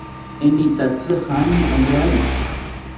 ¿Enitatzi jaani oyari?